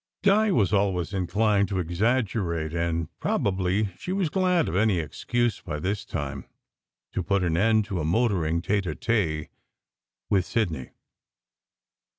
Di was always inclined to exaggerate, and probably she was glad of any excuse by this time to put an end to a motoring tete a tete with Sidney.